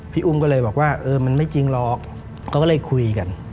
พี่อุ้มก็เลยบอกว่าเออมันไม่จริงหรอกเขาก็เลยคุยกัน